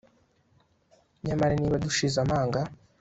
Nyamara niba dushize amanga